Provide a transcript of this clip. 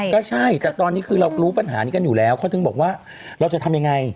ก็ใช่แต่ตอนนี้คือเรารู้ปัญหานี้กันอยู่แล้วเขาถึงบอกว่าเราจะทำยังไง